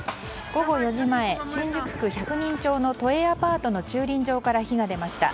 午後４時前新宿区百人町の都営アパートの駐輪場から火が出ました。